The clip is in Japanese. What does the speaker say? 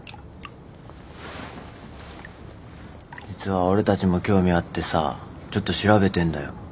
実は俺たちも興味あってさちょっと調べてんだよ。